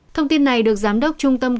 thông tin này được giám đốc trung tâm công an